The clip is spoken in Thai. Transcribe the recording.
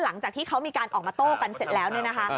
หลังจากที่เขามีการออกมาโต้กันเสร็จแล้วเนี่ยนะคะ